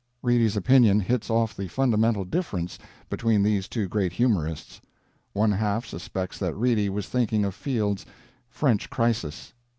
Reedy's opinion hits off the fundamental difference between these two great humorists; one half suspects that Reedy was thinking of Field's French Crisis.